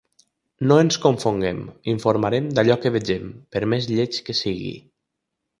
No ens confonguem, informarem d’allò que vegem, per més lleig que sigui.